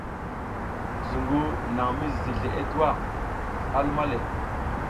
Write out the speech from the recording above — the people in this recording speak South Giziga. Zuƞgu naƞ mi zizi zleʼe tuwa, a luma le.